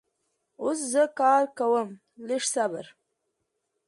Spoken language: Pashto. اوس زه کار کوم لږ صبر